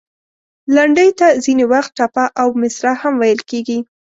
لنډۍ ته ځینې وخت، ټپه او مصره هم ویل کیږي.